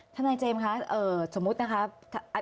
ทนายเจมส์คะสมมุตินะคะ